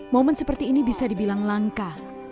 momen seperti ini bisa dibilang langka